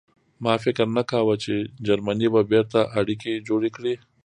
ما فکر نه کاوه چې جرمني به بېرته اړیکې جوړې کړي